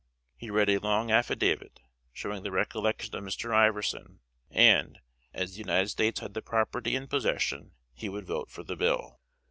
He read a long affidavit showing the recollections of Mr. Iverson, and, as the United States had the property in possession, he would vote for the bill.